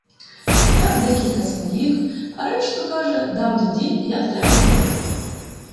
Дав декілька своїх, а решту, каже, дам тоді, як треба буде.